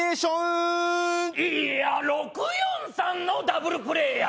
６４３のダブルプレー！